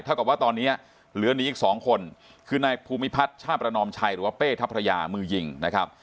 กับว่าตอนนี้เหลือหนีอีกสองคนคือนายภูมิพัฒน์ชาติประนอมชัยหรือว่าเป้ทัพยามือยิงนะครับ